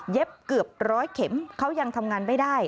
เกือบร้อยเข็มเขายังทำงานไม่ได้